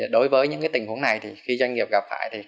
đối với những tình huống này thì khi doanh nghiệp gặp phải